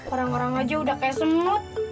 orang orang aja udah kayak semut